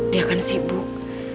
dia akan sibuk